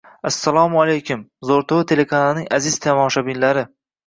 Assalomu alaykum, zo‘rtv telekanalining aziz tomoshabinlari.